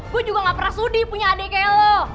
gue juga gak pernah sudi punya adek kayak lo